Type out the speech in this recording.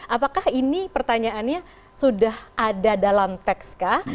apakah ini pertanyaannya sudah ada dalam teks kah